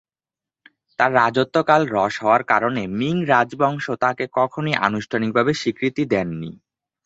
তার রাজত্বকাল হ্রস্ব হওয়ার কারণে মিং রাজবংশ তাকে কখনোই আনুষ্ঠানিক ভাবে স্বীকৃতি দেননি।